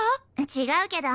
違うけど。